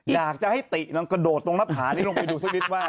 อยากจะให้ติกระโดดตรงหน้าผาลงไปดูสิบิทว่า